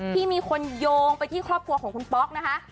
ที่มีคนโยงไปที่ครอบครัวของคุณป๊อกนะคะ